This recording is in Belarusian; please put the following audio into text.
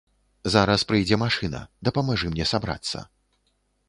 Зараз прыйдзе машына, дапамажы мне сабрацца.